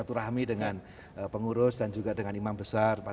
banyak cerita turahmi dengan pengurus dan juga dengan imam besar